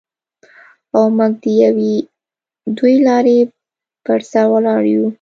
او موږ د یوې دوې لارې پر سر ولاړ یو.